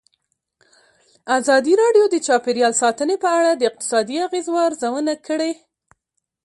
ازادي راډیو د چاپیریال ساتنه په اړه د اقتصادي اغېزو ارزونه کړې.